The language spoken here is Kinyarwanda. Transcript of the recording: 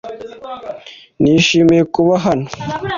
Nishimiye kuba hano.